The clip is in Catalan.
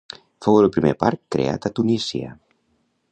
Fou el primer parc creat a Tunísia.